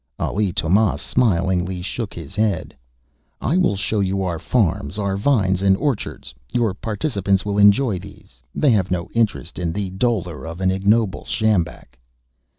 Ali Tomás smilingly shook his head. "I will show you our farms, our vines and orchards. Your participants will enjoy these; they have no interest in the dolor of an ignoble sjambak."